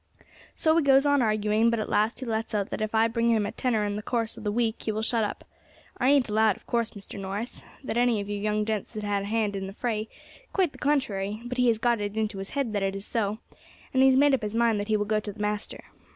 "So we goes on arguing; but at last he lets out that if I bring him a 'tenner' in the course of the week he will shut up. I ain't allowed of course, Mr. Norris, that any of you young gents had a hand in the fray, quite the contrary; but he has got it into his head that it is so, and he has made up his mind that he will go to the master.